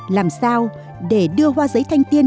làm sao để đưa hoa giấy thanh tiên